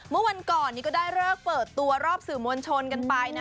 เมื่อวันก่อนนี้ก็ได้เลิกเปิดตัวรอบสื่อมวลชนกันไปนะ